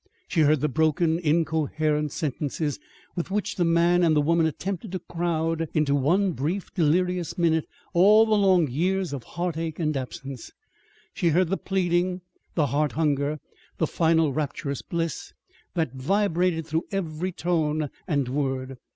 She heard the broken, incoherent sentences with which the man and the woman attempted to crowd into one brief delirious minute all the long years of heartache and absence. She heard the pleading, the heart hunger, the final rapturous bliss that vibrated through every tone and word.